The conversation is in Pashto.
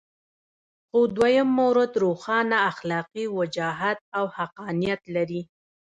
خو دویم مورد روښانه اخلاقي وجاهت او حقانیت لري.